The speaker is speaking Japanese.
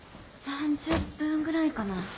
３０分ぐらいかな。